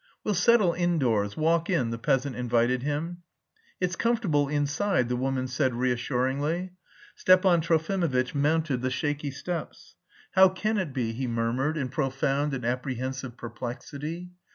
"We'll settle indoors, walk in," the peasant invited him. "It's comfortable inside," the woman said reassuringly. Stepan Trofimovitch mounted the shaky steps. "How can it be?" he murmured in profound and apprehensive perplexity.